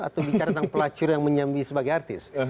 atau bicara tentang pelacur yang menyambi sebagai artis